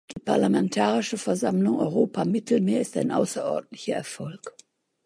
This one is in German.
Die Parlamentarische Versammlung Europa-Mittelmeer ist ein außerordentlicher Erfolg.